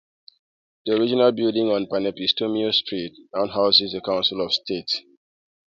The original building on Panepistimiou Street now houses the Council of State.